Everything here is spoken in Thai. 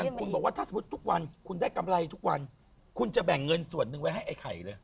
คุณบอกว่าถ้าสมมุติทุกวันคุณได้กำไรทุกวันคุณจะแบ่งเงินส่วนหนึ่งไว้ให้ไอ้ไข่เลย